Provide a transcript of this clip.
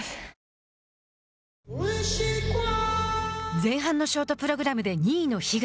前半のショートプログラムで２位の樋口。